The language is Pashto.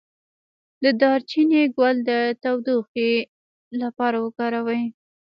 د دارچینی ګل د تودوخې لپاره وکاروئ